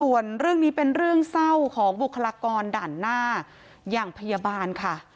ส่วนเรื่องนี้เป็นเรื่องเศร้าของบุคลากรด่านหน้าอย่างพยาบาลค่ะ